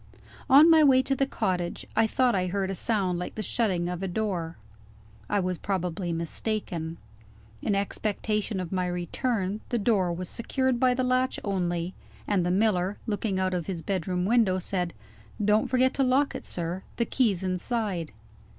On my way to the cottage, I thought I heard a sound like the shutting of a door. I was probably mistaken. In expectation of my return, the door was secured by the latch only; and the miller, looking out of his bedroom window, said: "Don't forget to lock it, sir; the key's inside."